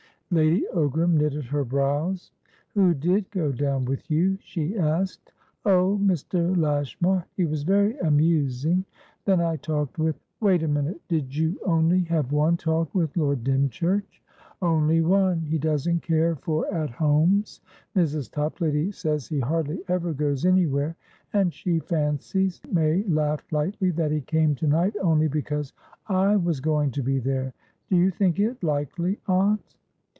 Lady Ogram knitted her brows. "Who did go down with you?" she asked. "Oh, Mr. Lashmar. He was very amusing. Then I talked with" "Wait a minute. Did you only have one talk with Lord Dymchurch?" "Only one. He doesn't care for 'At Homes.' Mrs. Toplady says he hardly ever goes anywhere, and she fancies"May laughed lightly"that he came to night only because I was going to be there. Do you think it likely, aunt?"